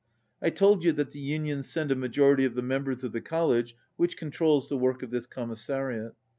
I told you that the unions send a majority of the mem bers of the College which controls the work of this Commissariat.